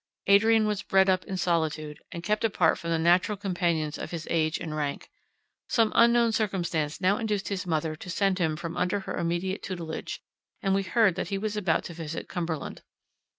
Adrian was bred up in solitude, and kept apart from the natural companions of his age and rank. Some unknown circumstance now induced his mother to send him from under her immediate tutelage; and we heard that he was about to visit Cumberland.